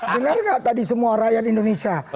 dengar gak tadi semua rakyat indonesia